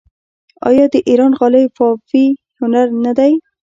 آیا د ایران غالۍ بافي هنر نه دی؟